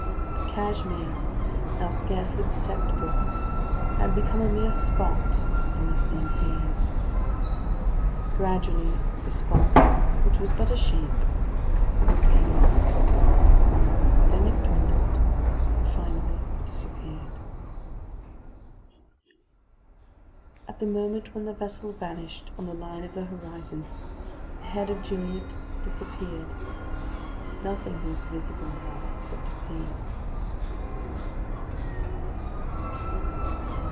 The Cashmere, now scarcely perceptible, had become a mere spot in the thin haze. Gradually, the spot, which was but a shape, grew paler. Then it dwindled, and finally disappeared. At the moment when the vessel vanished on the line of the horizon, the head of Gilliatt disappeared. Nothing was visible now but the sea.